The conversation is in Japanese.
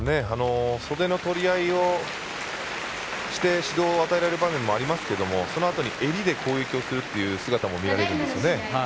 袖のとり合いをして指導を与えられる場面もありますけどもそのあとに襟で攻撃をするという姿も見られるんですね。